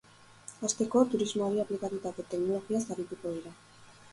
Hasteko, turismoari aplikatutako teknologiaz arituko dira.